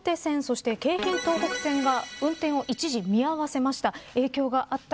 さて、けさ、山手線そして、京浜東北線が運転を一時、見合わせました。